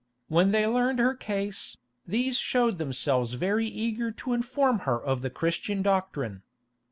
When they learned her case, these showed themselves very eager to inform her of the Christian doctrine.